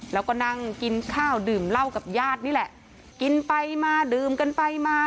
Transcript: แล้วก็นั่งกินข้าวดื่มเหล้ากับญาตินี่แหละกินไปมาดื่มกันไปมา